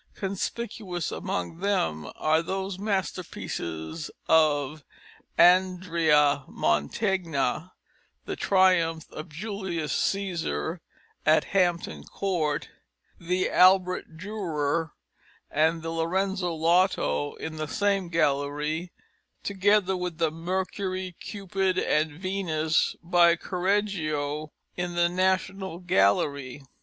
Conspicuous among them are those masterpieces of Andrea Mantegna, the "Triumph of Julius Cæsar," at Hampton Court, the Albrecht Dürer, and the Lorenzo Lotto, in the same gallery, together with the "Mercury, Cupid and Venus," by Correggio, in the National Gallery.